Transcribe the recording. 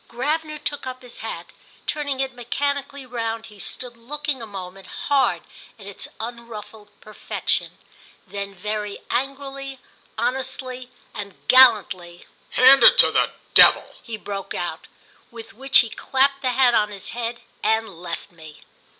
Gravener took up his hat; turning it mechanically round he stood looking a moment hard at its unruffled perfection. Then very angrily honestly and gallantly, "Hand it to the devil!" he broke out; with which he clapped the hat on his head and left me.